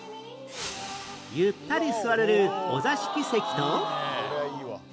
ゆったり座れるお座敷席と